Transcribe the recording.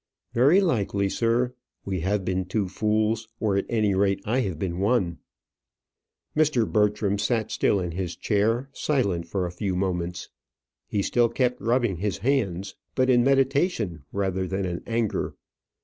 "Very likely, sir. We have been two fools; or, at any rate, I have been one." Mr. Bertram sat still in his chair, silent for a few moments. He still kept rubbing his hands, but in meditation rather than in anger.